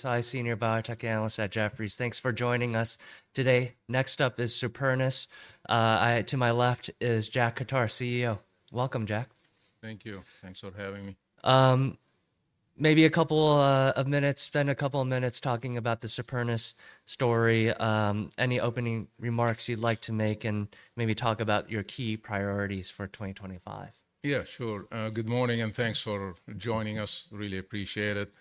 Retired senior biotech analyst at Jefferies. Thanks for joining us today. Next up is Supernus. To my left is Jack Khattar, CEO. Welcome, Jack. Thank you. Thanks for having me. Maybe a couple of minutes. Spend a couple of minutes talking about the Supernus story, any opening remarks you'd like to make, and maybe talk about your key priorities for 2025. Yeah, sure. Good morning and thanks for joining us. Really appreciate it.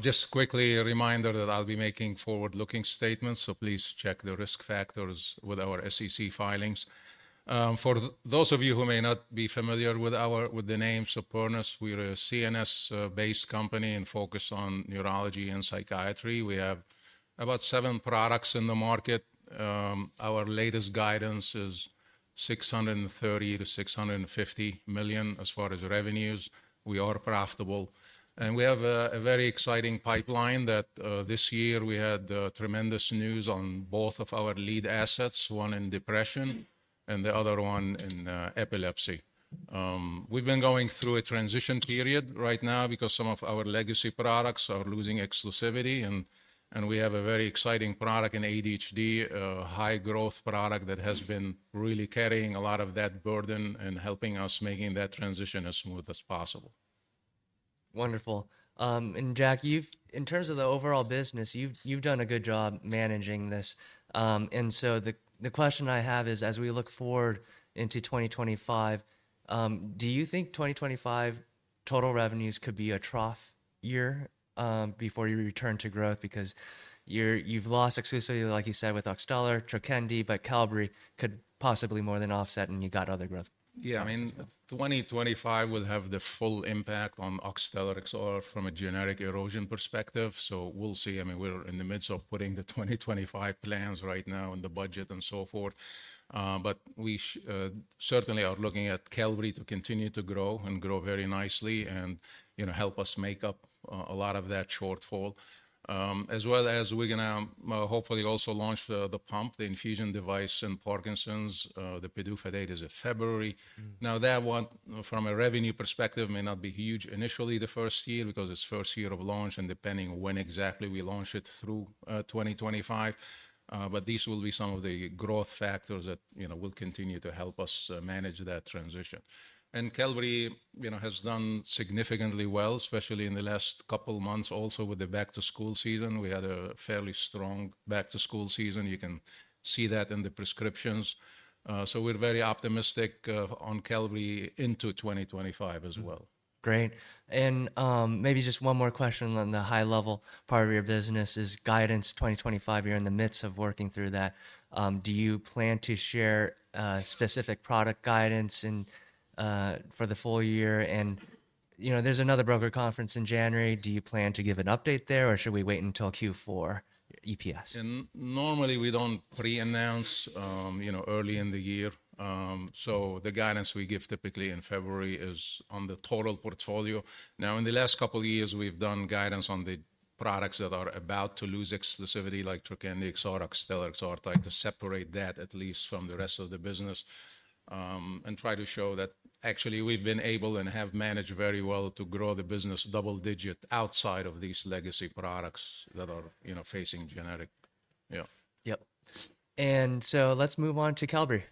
Just quickly a reminder that I'll be making forward-looking statements, so please check the risk factors with our SEC filings. For those of you who may not be familiar with the name Supernus, we're a CNS-based company and focus on neurology and psychiatry. We have about seven products in the market. Our latest guidance is $630 million-$650 million as far as revenues. We are profitable. And we have a very exciting pipeline that this year we had tremendous news on both of our lead assets, one in depression and the other one in epilepsy. We've been going through a transition period right now because some of our legacy products are losing exclusivity. We have a very exciting product in ADHD, a high-growth product that has been really carrying a lot of that burden and helping us make that transition as smooth as possible. Wonderful. And Jack, in terms of the overall business, you've done a good job managing this. And so the question I have is, as we look forward into 2025, do you think 2025 total revenues could be a trough year before you return to growth? Because you've lost exclusivity, like you said, with Oxtellar, Trokendi, but Qelbree could possibly more than offset and you got other growth. Yeah, I mean, 2025 will have the full impact on Oxtellar from a generic erosion perspective. So we'll see. I mean, we're in the midst of putting the 2025 plans right now and the budget and so forth. But we certainly are looking at Qelbree to continue to grow and grow very nicely and help us make up a lot of that shortfall. As well as we're going to hopefully also launch the pump, the infusion device in Parkinson's. The PDUFA date is February. Now that one from a revenue perspective may not be huge initially the first year because it's first year of launch and depending when exactly we launch it through 2025. But these will be some of the growth factors that will continue to help us manage that transition, and Qelbree has done significantly well, especially in the last couple of months, also with the back-to-school season. We had a fairly strong back-to-school season. You can see that in the prescriptions, so we're very optimistic on Qelbree into 2025 as well. Great. And maybe just one more question on the high-level part of your business is guidance 2025. You're in the midst of working through that. Do you plan to share specific product guidance for the full year? And there's another broker conference in January. Do you plan to give an update there or should we wait until Q4 EPS? Normally we don't pre-announce early in the year. So the guidance we give typically in February is on the total portfolio. Now in the last couple of years, we've done guidance on the products that are about to lose exclusivity like Trokendi XR, Oxtellar XR to separate that at least from the rest of the business and try to show that actually we've been able and have managed very well to grow the business double-digit outside of these legacy products that are facing generic. Yep, and so let's move on to Qelbree,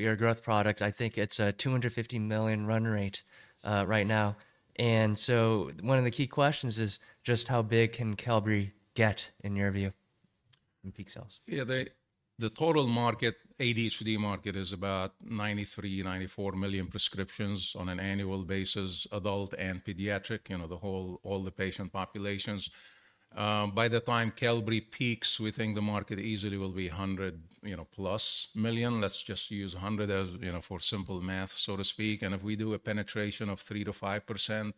your growth product. I think it's a $250 million run rate right now, and so one of the key questions is just how big can Qelbree get in your view in peak sales? Yeah, the total market, ADHD market is about 93-94 million prescriptions on an annual basis, adult and pediatric, the whole, all the patient populations. By the time Qelbree peaks, we think the market easily will be 100+ million. Let's just use 100 for simple math, so to speak. And if we do a penetration of 3-5%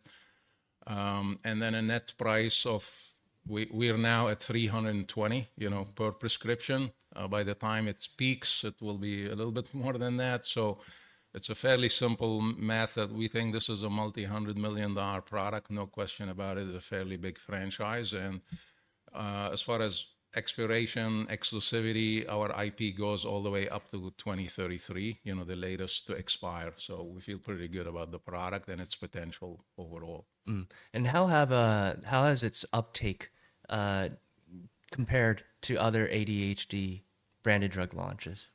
and then a net price of we're now at $320 per prescription. By the time it peaks, it will be a little bit more than that. So it's a fairly simple math that we think this is a multi-hundred-million-dollar product. No question about it. It's a fairly big franchise. And as far as expiration, exclusivity, our IP goes all the way up to 2033, the latest to expire. So we feel pretty good about the product and its potential overall. How has its uptake compared to other ADHD branded drug launches?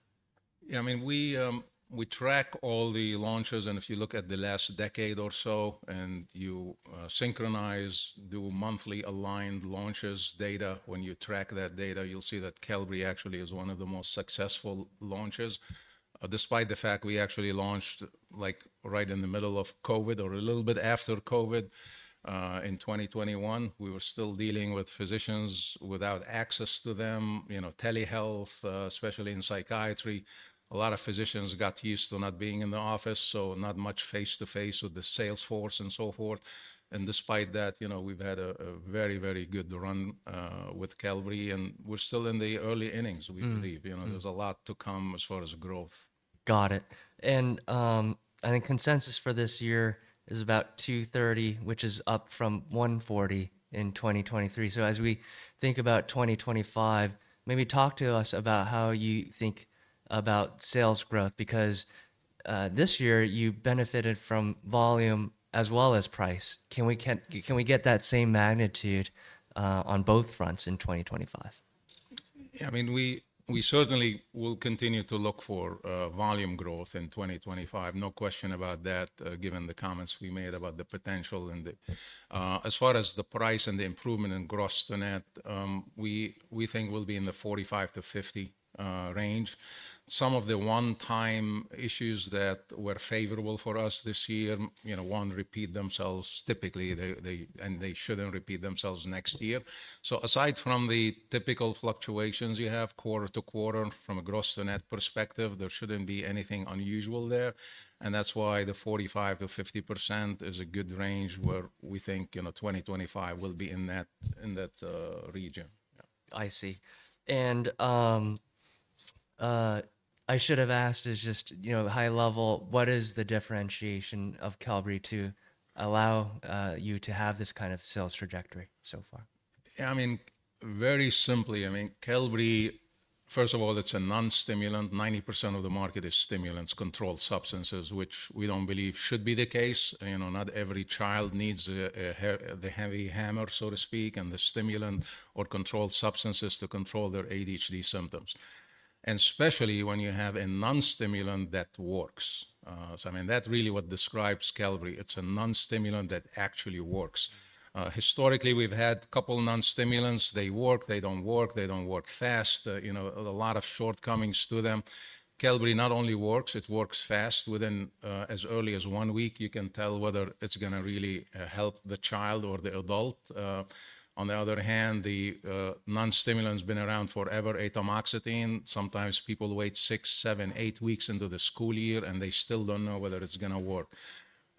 Yeah, I mean, we track all the launches, and if you look at the last decade or so and you synchronize the monthly aligned launches data, when you track that data, you'll see that Qelbree actually is one of the most successful launches. Despite the fact we actually launched right in the middle of COVID or a little bit after COVID in 2021, we were still dealing with physicians without access to them, telehealth, especially in psychiatry. A lot of physicians got used to not being in the office, so not much face-to-face with the salesforce and so forth. Despite that, we've had a very, very good run with Qelbree and we're still in the early innings, we believe. There's a lot to come as far as growth. Got it. And I think consensus for this year is about 230, which is up from 140 in 2023. So as we think about 2025, maybe talk to us about how you think about sales growth because this year you benefited from volume as well as price. Can we get that same magnitude on both fronts in 2025? Yeah, I mean, we certainly will continue to look for volume growth in 2025. No question about that given the comments we made about the potential. And as far as the price and the improvement in gross to net, we think we'll be in the 45%-50% range. Some of the one-time issues that were favorable for us this year won't repeat themselves typically, and they shouldn't repeat themselves next year. So aside from the typical fluctuations you have quarter to quarter from a gross to net perspective, there shouldn't be anything unusual there. And that's why the 45%-50% is a good range where we think 2025 will be in that region. I see. And I should have asked is just high level, what is the differentiation of Qelbree to allow you to have this kind of sales trajectory so far? Yeah, I mean, very simply, I mean, Qelbree, first of all, it's a non-stimulant. 90% of the market is stimulants, controlled substances, which we don't believe should be the case. Not every child needs the heavy hammer, so to speak, and the stimulant or controlled substances to control their ADHD symptoms. And especially when you have a non-stimulant that works. So I mean, that really what describes Qelbree. It's a non-stimulant that actually works. Historically, we've had a couple of non-stimulants. They work, they don't work, they don't work fast. A lot of shortcomings to them. Qelbree not only works, it works fast. Within as early as one week, you can tell whether it's going to really help the child or the adult. On the other hand, the non-stimulant has been around forever, atomoxetine. Sometimes people wait six, seven, eight weeks into the school year and they still don't know whether it's going to work,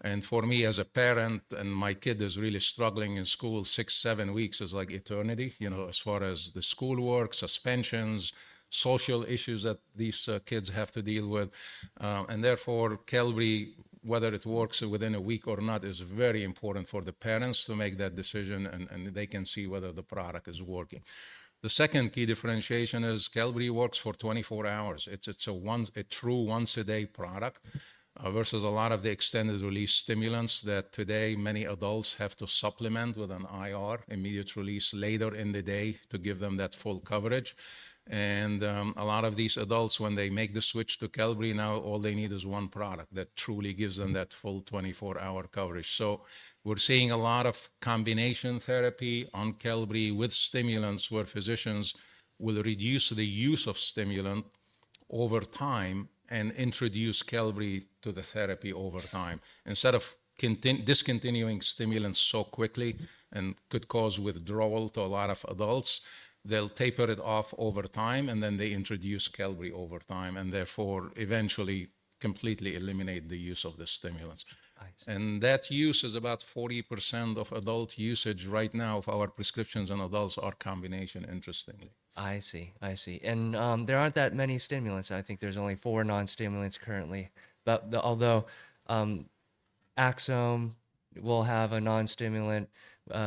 and for me as a parent and my kid is really struggling in school, six, seven weeks is like eternity as far as the schoolwork, suspensions, social issues that these kids have to deal with, and therefore, Qelbree, whether it works within a week or not, is very important for the parents to make that decision and they can see whether the product is working. The second key differentiation is Qelbree works for 24 hours. It's a true once-a-day product versus a lot of the extended-release stimulants that today many adults have to supplement with an IR, immediate release later in the day to give them that full coverage. A lot of these adults, when they make the switch to Qelbree, now all they need is one product that truly gives them that full 24-hour coverage. We're seeing a lot of combination therapy on Qelbree with stimulants where physicians will reduce the use of stimulant over time and introduce Qelbree to the therapy over time. Instead of discontinuing stimulants so quickly and could cause withdrawal to a lot of adults, they'll taper it off over time and then they introduce Qelbree over time and therefore eventually completely eliminate the use of the stimulants. That use is about 40% of adult usage right now of our prescriptions and adults are combination, interestingly. I see. I see. And there aren't that many stimulants. I think there's only four non-stimulants currently. Although Axsome will have a non-stimulant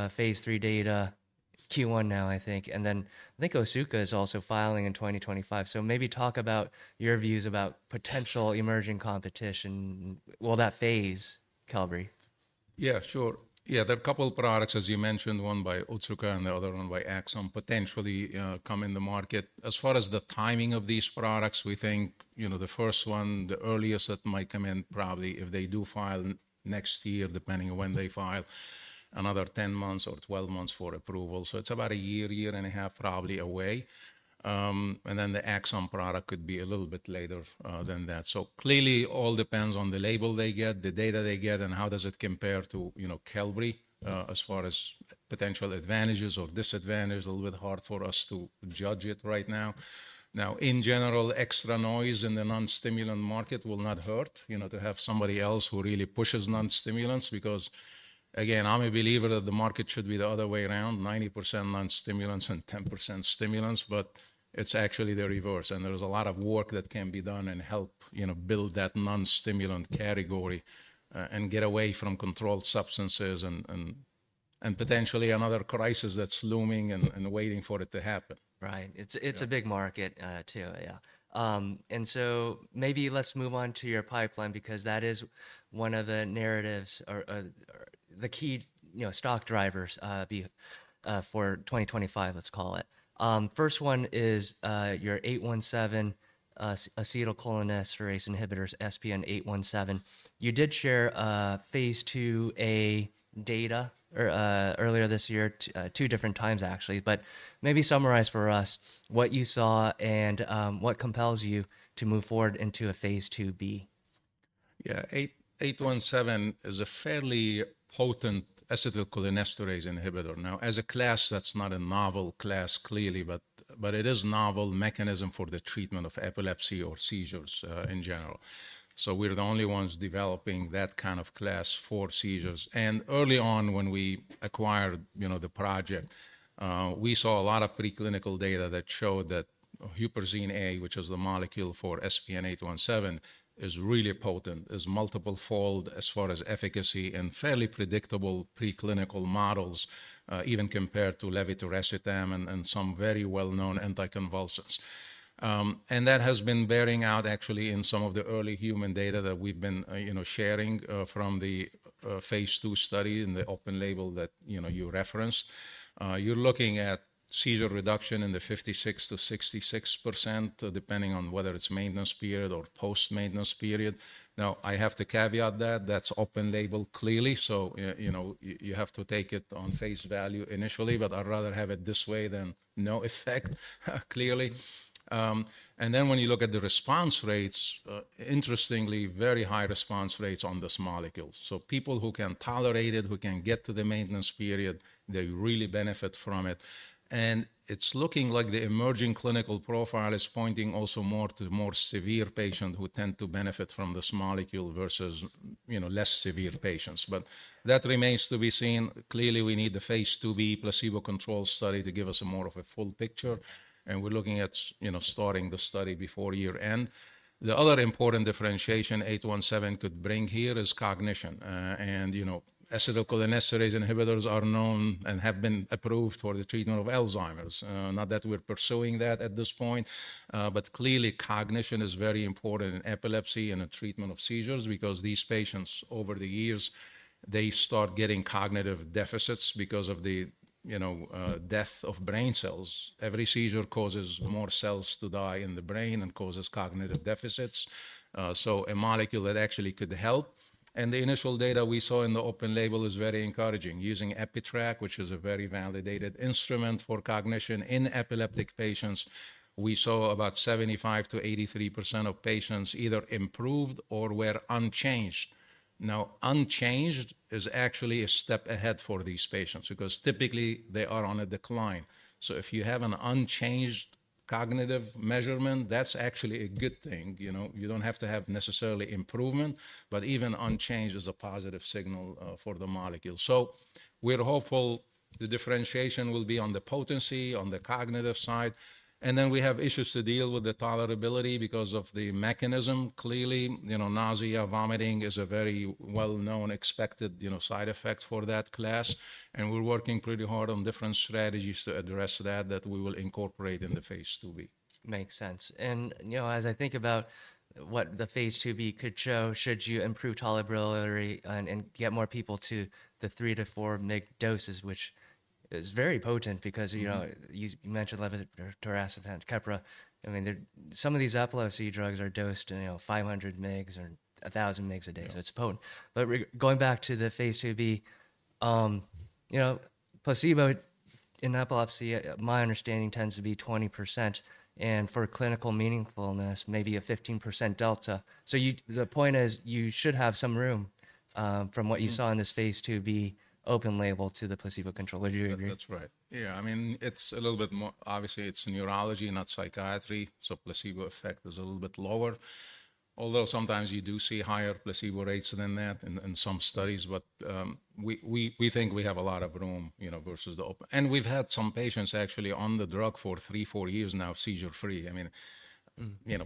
phase 3 data, Q1 now, I think. And then I think Otsuka is also filing in 2025. So maybe talk about your views about potential emerging competition. Will that phase Qelbree? Yeah, sure. Yeah, there are a couple of products, as you mentioned, one by Otsuka and the other one by Axsome potentially come in the market. As far as the timing of these products, we think the first one, the earliest that might come in probably if they do file next year, depending on when they file, another 10 months or 12 months for approval. So it's about a year, year and a half probably away. And then the Axsome product could be a little bit later than that. So clearly all depends on the label they get, the data they get, and how does it compare to Qelbree as far as potential advantages or disadvantages. A little bit hard for us to judge it right now. Now, in general, extra noise in the non-stimulant market will not hurt to have somebody else who really pushes non-stimulants because, again, I'm a believer that the market should be the other way around, 90% non-stimulants and 10% stimulants, but it's actually the reverse, and there's a lot of work that can be done and help build that non-stimulant category and get away from controlled substances and potentially another crisis that's looming and waiting for it to happen. Right. It's a big market too. Yeah. And so maybe let's move on to your pipeline because that is one of the narratives or the key stock drivers for 2025, let's call it. First one is your SPN-817 acetylcholinesterase inhibitors, SPN-817. You did share phase 2a data earlier this year, two different times actually, but maybe summarize for us what you saw and what compels you to move forward into a phase 2b. Yeah, SPN-817 is a fairly potent acetylcholinesterase inhibitor. Now, as a class, that's not a novel class clearly, but it is a novel mechanism for the treatment of epilepsy or seizures in general. So we're the only ones developing that kind of class for seizures. And early on when we acquired the project, we saw a lot of preclinical data that showed that Huperzine A, which is the molecule for SPN-817, is really potent, is multiple-fold as far as efficacy and fairly predictable preclinical models, even compared to levetiracetam and some very well-known anticonvulsants. And that has been bearing out actually in some of the early human data that we've been sharing from the phase 2 study in the open label that you referenced. You're looking at seizure reduction in the 56%-66%, depending on whether it's maintenance period or post-maintenance period. Now, I have to caveat that that's open-label clearly, so you have to take it on face value initially, but I'd rather have it this way than no effect clearly, and then when you look at the response rates, interestingly, very high response rates on this molecule, so people who can tolerate it, who can get to the maintenance period, they really benefit from it, and it's looking like the emerging clinical profile is pointing also more to more severe patients who tend to benefit from this molecule versus less severe patients. But that remains to be seen. Clearly, we need the phase 2b placebo-controlled study to give us more of a full picture, and we're looking at starting the study before year-end. The other important differentiation 817 could bring here is cognition, and acetylcholinesterase inhibitors are known and have been approved for the treatment of Alzheimer's. Not that we're pursuing that at this point, but clearly cognition is very important in epilepsy and the treatment of seizures because these patients over the years, they start getting cognitive deficits because of the death of brain cells. Every seizure causes more cells to die in the brain and causes cognitive deficits. So a molecule that actually could help. And the initial data we saw in the open label is very encouraging. Using EpiTrack, which is a very validated instrument for cognition in epileptic patients, we saw about 75%-83% of patients either improved or were unchanged. Now, unchanged is actually a step ahead for these patients because typically they are on a decline. So if you have an unchanged cognitive measurement, that's actually a good thing. You don't have to have necessarily improvement, but even unchanged is a positive signal for the molecule. So we're hopeful the differentiation will be on the potency, on the cognitive side. And then we have issues to deal with the tolerability because of the mechanism. Clearly, nausea, vomiting is a very well-known expected side effect for that class. And we're working pretty hard on different strategies to address that that we will incorporate in the phase 2b. Makes sense. And as I think about what the phase 2b could show, should you improve tolerability and get more people to the three to four mg doses, which is very potent because you mentioned levetiracetam, Keppra. I mean, some of these epilepsy drugs are dosed in 500 mg or 1,000 mg a day. So it's potent. But going back to the phase 2b, placebo in epilepsy, my understanding tends to be 20%. And for clinical meaningfulness, maybe a 15% delta. So the point is you should have some room from what you saw in this phase 2b open label to the placebo control. Would you agree? That's right. Yeah. I mean, it's a little bit more. Obviously it's neurology, not psychiatry. So placebo effect is a little bit lower. Although sometimes you do see higher placebo rates than that in some studies, but we think we have a lot of room versus the open-label. And we've had some patients actually on the drug for three, four years now, seizure-free. I mean,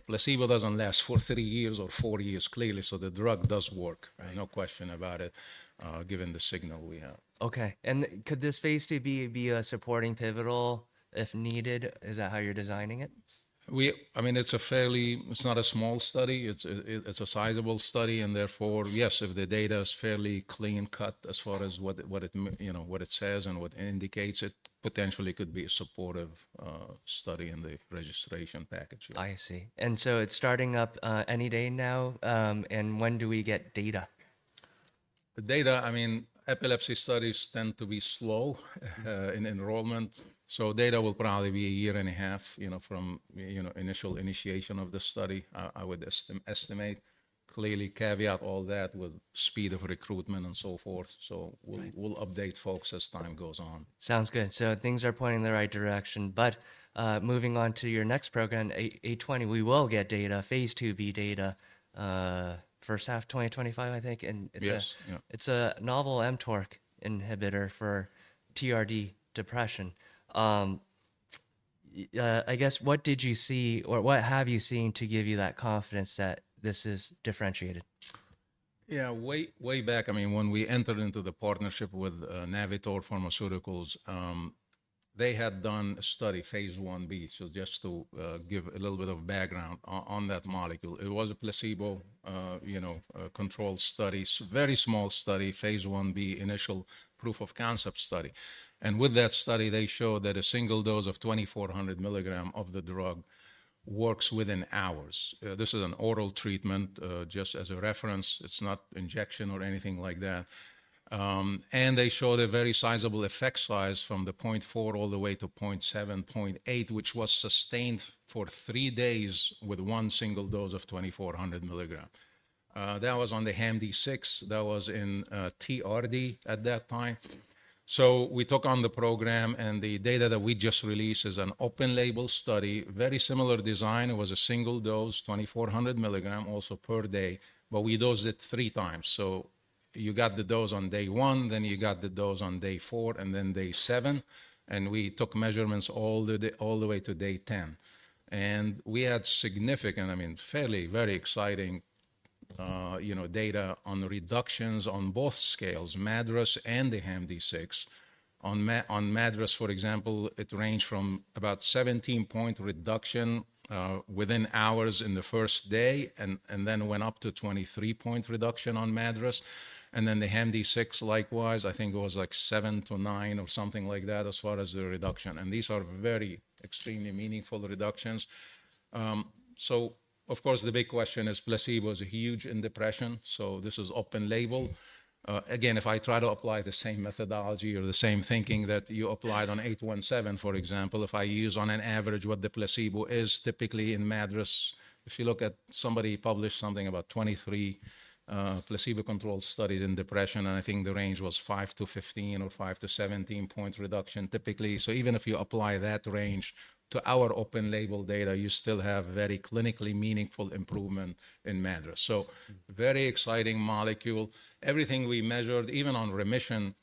placebo doesn't last for three years or four years clearly. So the drug does work, no question about it, given the signal we have. Okay. And could this phase 2b be a supporting pivotal if needed? Is that how you're designing it? I mean, it's a fairly. It's not a small study. It's a sizable study. And therefore, yes, if the data is fairly clean cut as far as what it says and what it indicates, it potentially could be a supportive study in the registration package. I see. And so it's starting up any day now. And when do we get data? Data, I mean, epilepsy studies tend to be slow in enrollment. So data will probably be a year and a half from initial initiation of the study. I would estimate. Clearly, caveat all that with speed of recruitment and so forth. So we'll update folks as time goes on. Sounds good. So things are pointing in the right direction. But moving on to your next program, 820, we will get data, phase 2b data, first half 2025, I think. And it's a novel mTORC inhibitor for TRD depression. I guess what did you see or what have you seen to give you that confidence that this is differentiated? Yeah, way back, I mean, when we entered into the partnership with Navitor Pharmaceuticals, they had done a study, phase 1B, so just to give a little bit of background on that molecule. It was a placebo-controlled study, very small study, phase 1b initial proof of concept study. And with that study, they showed that a single dose of 2,400 milligrams of the drug works within hours. This is an oral treatment, just as a reference. It's not injection or anything like that. And they showed a very sizable effect size from the 0.4 all the way to 0.7, 0.8, which was sustained for three days with one single dose of 2,400 milligrams. That was on the HAM-D6 that was in TRD at that time. So we took on the program and the data that we just released is an open label study, very similar design. It was a single dose, 2,400 milligrams, also per day, but we dosed it three times, so you got the dose on day one, then you got the dose on day four and then day seven. And we took measurements all the way to day 10. And we had significant, I mean, fairly very exciting data on reductions on both scales, MADRS and the HAM-D6. On MADRS, for example, it ranged from about 17-point reduction within hours in the first day and then went up to 23-point reduction on MADRS. And then the HAM-D6 likewise, I think it was like seven to nine or something like that as far as the reduction. And these are very extremely meaningful reductions. So of course, the big question is placebo is huge in depression, so this is open label. Again, if I try to apply the same methodology or the same thinking that you applied on 817, for example, if I use on an average what the placebo is typically in MADRS, if you look at somebody published something about 23 placebo-controlled studies in depression, and I think the range was 5-15 or 5-17-point reduction typically. So even if you apply that range to our open label data, you still have very clinically meaningful improvement in MADRS. So very exciting molecule. Everything we measured, even on remission,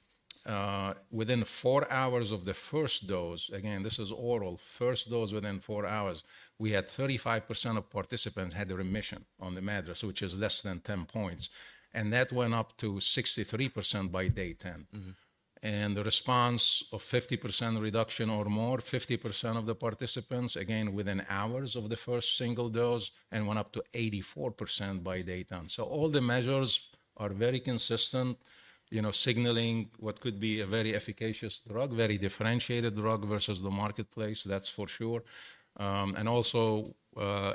within four hours of the first dose, again, this is oral, first dose within four hours, we had 35% of participants had remission on the MADRS, which is less than 10 points. And that went up to 63% by day 10. And the response of 50% reduction or more, 50% of the participants, again, within hours of the first single dose and went up to 84% by day 10. So all the measures are very consistent, signaling what could be a very efficacious drug, very differentiated drug versus the marketplace, that's for sure. And also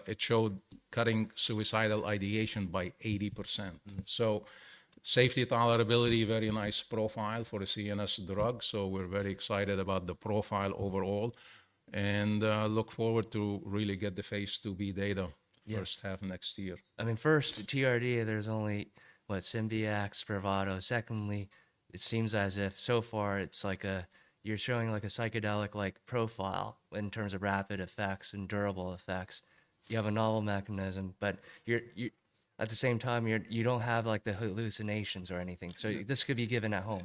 it showed cutting suicidal ideation by 80%. So safety tolerability, very nice profile for a CNS drug. So we're very excited about the profile overall and look forward to really get the phase 2b data first half next year. I mean, first TRD, there's only what, Symbyax, Spravato. Secondly, it seems as if so far it's like a, you're showing like a psychedelic-like profile in terms of rapid effects and durable effects. You have a novel mechanism, but at the same time, you don't have like the hallucinations or anything. So this could be given at home.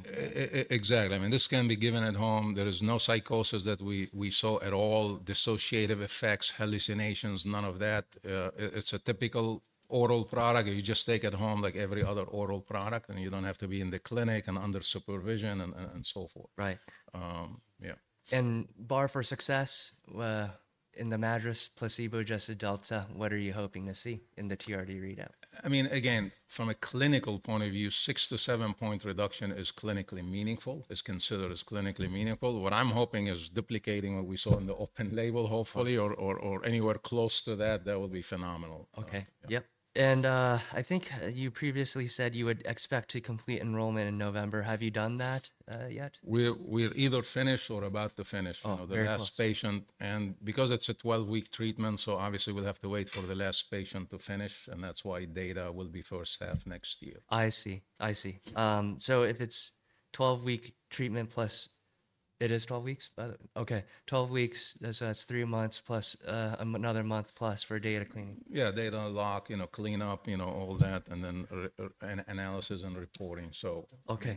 Exactly. I mean, this can be given at home. There is no psychosis that we saw at all, dissociative effects, hallucinations, none of that. It's a typical oral product that you just take at home like every other oral product and you don't have to be in the clinic and under supervision and so forth. Right. Yeah. Bar for success in the MADRS placebo-adjusted delta, what are you hoping to see in the TRD readout? I mean, again, from a clinical point of view, six- to seven-point reduction is clinically meaningful, is considered as clinically meaningful. What I'm hoping is duplicating what we saw in the open label, hopefully, or anywhere close to that, that would be phenomenal. Okay. Yep. And I think you previously said you would expect to complete enrollment in November. Have you done that yet? We're either finished or about to finish the last patient. And because it's a 12-week treatment, so obviously we'll have to wait for the last patient to finish. And that's why data will be first half next year. I see. I see. So if it's 12-week treatment plus, it is 12 weeks? Okay. 12 weeks, that's three months plus another month plus for data cleaning. Yeah, data lock, cleanup, all that, and then analysis and reporting. So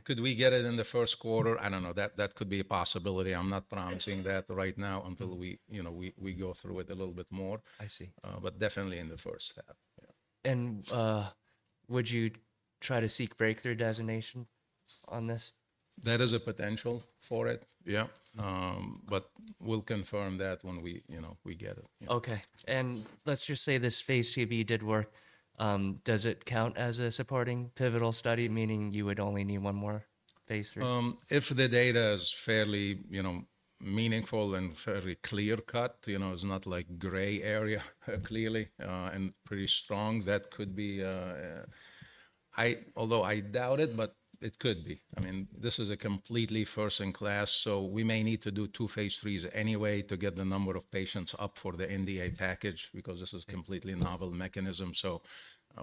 could we get it in the first quarter? I don't know. That could be a possibility. I'm not promising that right now until we go through it a little bit more. I see. But definitely in the first half. Would you try to seek breakthrough designation on this? That is a potential for it. Yeah. But we'll confirm that when we get it. Okay. And let's just say this phase 2b did work. Does it count as a supporting pivotal study, meaning you would only need one more phase 3? If the data is fairly meaningful and fairly clear cut, it's not like gray area clearly and pretty strong, that could be. Although I doubt it, but it could be. I mean, this is a completely first-in-class. So we may need to do two phase 3s anyway to get the number of patients up for the NDA package because this is a completely novel mechanism. So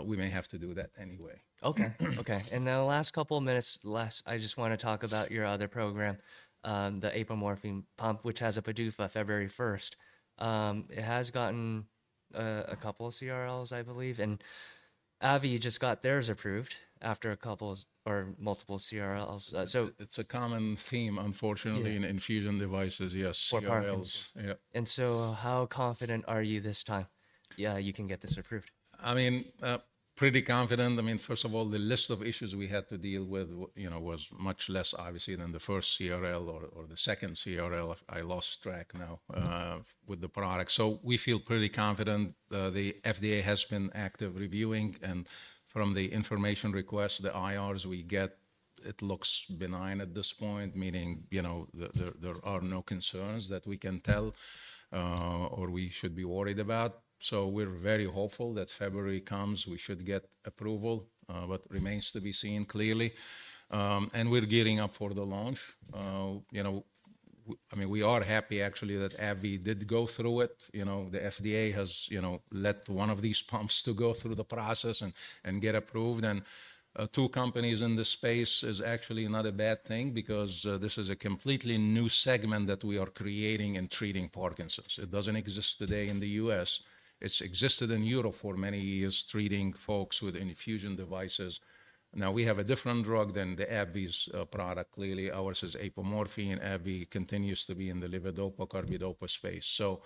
we may have to do that anyway. Okay. Okay. And then the last couple of minutes left, I just want to talk about your other program, the apomorphine pump, which has a PDUFA February 1st. It has gotten a couple of CRLs, I believe. And AbbVie, you just got theirs approved after a couple or multiple CRLs. It's a common theme, unfortunately, in infusion devices. Yes, CRLs. And so how confident are you this time? Yeah, you can get this approved. I mean, pretty confident. I mean, first of all, the list of issues we had to deal with was much less, obviously, than the first CRL or the second CRL. I lost track now with the product. So we feel pretty confident. The FDA has been active reviewing. And from the information request, the IRs we get, it looks benign at this point, meaning there are no concerns that we can tell or we should be worried about. So we're very hopeful that February comes. We should get approval, but remains to be seen clearly. And we're gearing up for the launch. I mean, we are happy actually that AbbVie did go through it. The FDA has let one of these pumps to go through the process and get approved. And two companies in this space is actually not a bad thing because this is a completely new segment that we are creating and treating Parkinson's. It doesn't exist today in the U.S. It's existed in Europe for many years treating folks with infusion devices. Now we have a different drug than the AbbVie's product. Clearly, ours is apomorphine. AbbVie continues to be in the levodopa-carbidopa space. So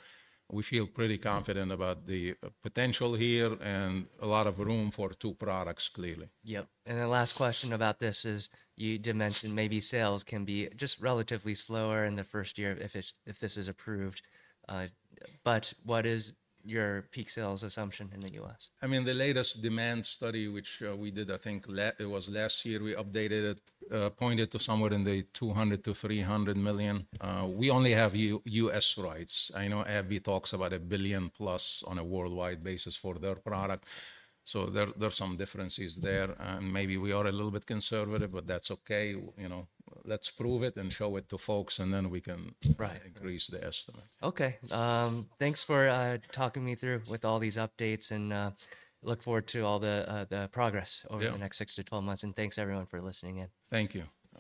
we feel pretty confident about the potential here and a lot of room for two products clearly. Yep. And the last question about this is you did mention maybe sales can be just relatively slower in the first year if this is approved. But what is your peak sales assumption in the U.S.? I mean, the latest demand study, which we did, I think it was last year, we updated it, pointed to somewhere in the $200 million-$300 million. We only have U.S. rights. I know AbbVie talks about a $1 billion plus on a worldwide basis for their product. So there are some differences there. And maybe we are a little bit conservative, but that's okay. Let's prove it and show it to folks, and then we can increase the estimate. Okay. Thanks for talking me through with all these updates. And look forward to all the progress over the next six to 12 months. And thanks everyone for listening in. Thank you.